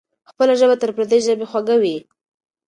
خپله ژبه تر پردۍ ژبې خوږه وي.